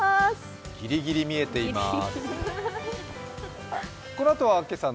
ギリギリ見えています。